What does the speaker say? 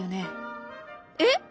えっ？